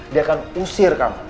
dia akan usir kamu